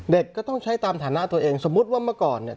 เด็กก็ต้องใช้ตามฐานะตัวเองสมมุติว่าเมื่อก่อนเนี่ย